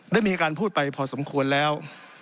ได้มีการพูดไปพอสมควรแล้ว